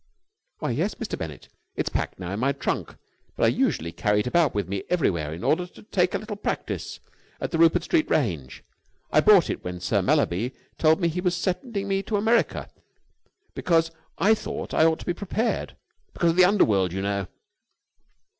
"Why, yes, Mr. Bennett. It is packed now in my trunk, but usually I carry it about with me everywhere in order to take a little practice at the Rupert Street range. I bought it when Sir Mallaby told me he was sending me to America, because I thought I ought to be prepared because of the Underworld, you know."